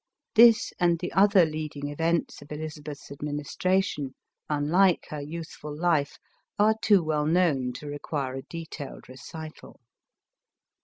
This and the other leading events of Elizabeth's administration, un like her youthful life, are too well known to require a detailed recital.